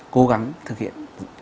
cố gắng thực hiện